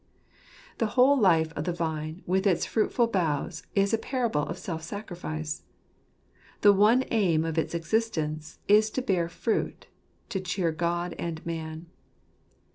The whole life of the vine with its fruitful boughs is a parable of self sacrifice . The one aim of its existence is to bear fruit, " to cheer God and man."